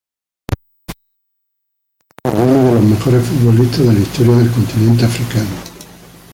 Es considerado como uno de los mejores futbolistas de la historia del continente Africano.